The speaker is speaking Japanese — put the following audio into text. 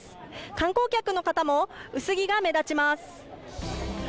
観光客の方も薄着が目立ちます。